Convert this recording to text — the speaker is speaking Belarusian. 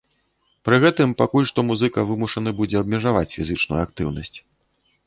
Пры гэтым пакуль што музыка вымушаны будзе абмежаваць фізічную актыўнасць.